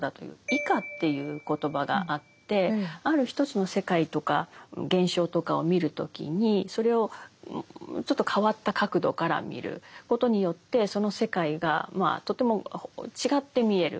「異化」っていう言葉があってある一つの世界とか現象とかを見る時にそれをちょっと変わった角度から見ることによってその世界がとても違って見える。